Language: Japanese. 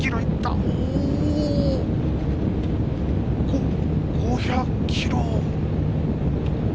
５５００キロ。